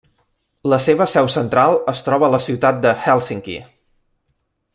La seva seu central es troba a la ciutat de Hèlsinki.